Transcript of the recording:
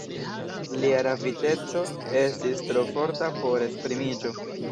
Lia raviteco estis tro forta por esprimiĝo.